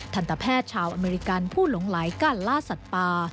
ทันตแพทย์ชาวอเมริกันผู้หลงไหลการล่าสัตว์ป่า